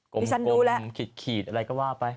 กลมขีดอะไรก็ว่าไป